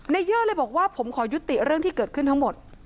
เยอร์เลยบอกว่าผมขอยุติเรื่องที่เกิดขึ้นทั้งหมด